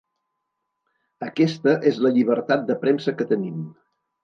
Aquesta és la llibertat de premsa que tenim.